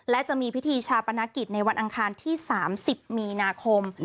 และจะมีพิธีชาปนกิจในวันอังคารที่๓๐มีนาคม